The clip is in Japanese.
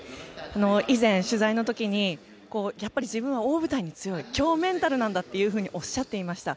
以前、取材の時に自分は大舞台に強い強メンタルなんだというふうにおっしゃっていました。